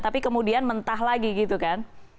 tapi kemudian mentah lagi gitu kan